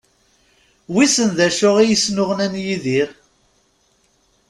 Wissen d acu i yesnuɣnan Yidir?